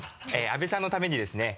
阿部さんのためにですね